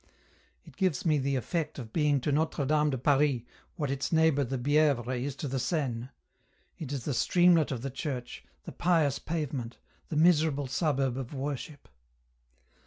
It gives me the effect of being to Notre Dame de Paris what its neighbour the Bievre is to the Seine. It is the streamlet of the church, the pious pavement, the miserable suburb of worship.